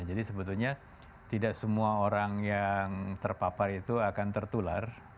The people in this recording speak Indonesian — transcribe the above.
jadi sebetulnya tidak semua orang yang terpapar itu akan tertular